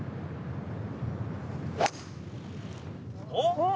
おっ。